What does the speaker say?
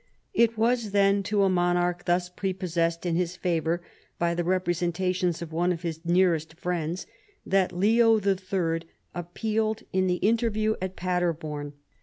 It was then to a monarch thus prepossessed in his favor by the representations of one of his nearest friends that Leo III. appealed in the interview at Paderborn.